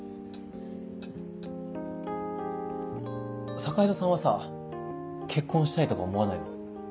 坂井戸さんはさ結婚したいとか思わないの？